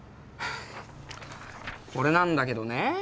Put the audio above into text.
ハァこれなんだけどね。